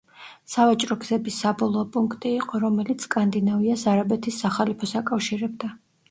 სავაჭრო გზების საბოლოო პუნქტი იყო, რომელიც სკანდინავიას არაბეთის სახალიფოს აკავშირებდა.